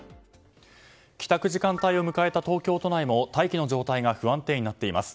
帰宅時間帯を迎えた東京都内の大気の状態が不安定になっています。